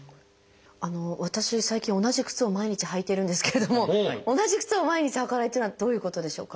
あの私最近同じ靴を毎日履いてるんですけれども同じ靴を毎日履かないっていうのはどういうことでしょうか？